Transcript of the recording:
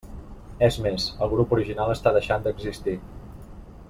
És més, el grup original està deixant d'existir.